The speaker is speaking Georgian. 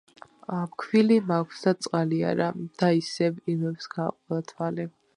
ფქვილი მაქვს და წყალი არა! – და ისევ ირმებს გააყოლა თვალი.